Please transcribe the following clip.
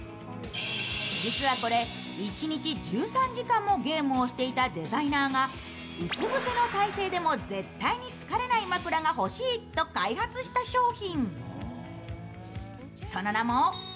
実はこれ、一日１３時間もゲームをしていたデザイナーがうつ伏せの体勢でも絶対に疲れないと開発した商品。